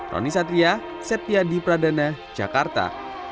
roni satria set pia di pradana jakarta